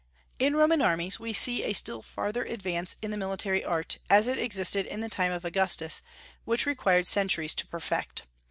In Roman armies we see a still further advance in the military art, as it existed in the time of Augustus, which required centuries to perfect.